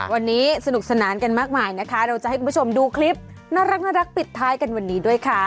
วันนี้สนุกสนานกันมากมายนะคะเราจะให้คุณผู้ชมดูคลิปน่ารักปิดท้ายกันวันนี้ด้วยค่ะ